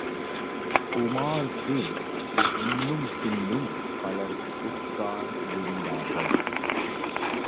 உமாருக்கு முன்னும் பின்னும் பலர் உட்கார்ந்திருந்தார்கள்.